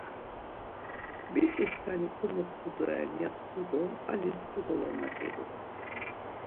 Biç̌i skani komoxtu doren ya tku do alis kodolomaǩidu.